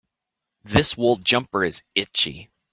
This wool jumper is itchy.